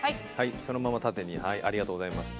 そのまま縦にはいありがとうございます。